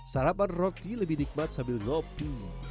sarapan roti lebih nikmat sambil ngopi